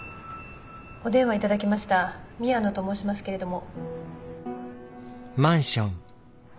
お電話頂きました宮野と申しますけれども。